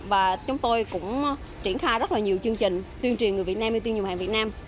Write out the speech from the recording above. và chúng tôi cũng triển khai rất nhiều chương trình tuyên truyền người việt nam ưu tiên dùng hàng việt nam